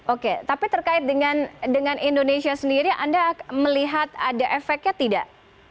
oke tapi terkait dengan indonesia sendiri anda melihat ada efeknya tidak